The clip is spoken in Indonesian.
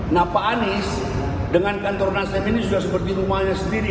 nah pak anies dengan kantor nasdem ini sudah seperti rumahnya sendiri